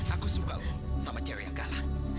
aku suka loh sama cewek yang kalah